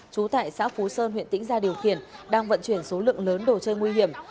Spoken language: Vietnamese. trú tại xã phú sơn huyện tĩnh gia điều khiển đang vận chuyển số lượng lớn đồ chơi nguy hiểm